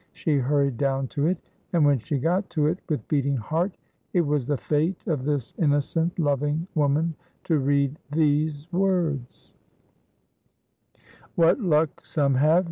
She hurried down to it, and when she got to it with beating heart it was the fate of this innocent, loving woman to read these words: "What luck some have.